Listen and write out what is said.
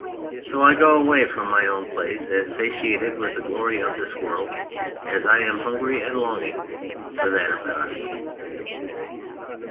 So do I go away from my own place as satiated with the glory of this world as I am hungry and all longing for that of God."